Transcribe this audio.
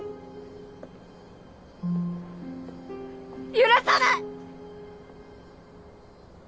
許さない！